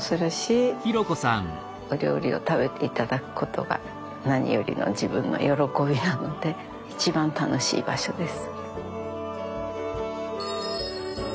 お料理を食べていただくことが何よりの自分の喜びなのでいちばん楽しい場所です。